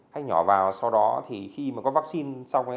khách nhỏ vào sau đó thì khi mà có vaccine xong